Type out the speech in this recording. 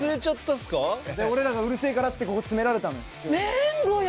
で俺らがうるせえからっつってここ詰められたのよ。